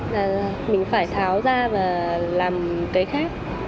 là mình phải tháo ra và làm cái khác